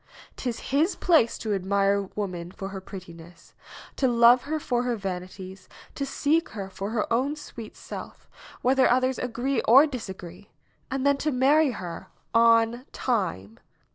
'Tis his place to ad mire woman for her prettiness ; to love her for her vani ties; to seek her for her own sweet self, whether others agree or disagree, and then to marry her on time.